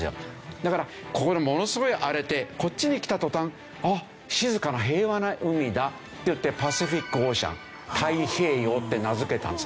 だからここでものすごい荒れてこっちに来た途端あっ静かな平和な海だっていって。って名付けたんです。